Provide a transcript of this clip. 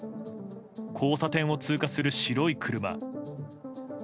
交差点を通過する白い車。